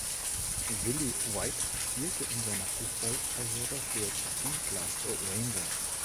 Willie White spielte in seiner Fußballkarriere für die Glasgow Rangers.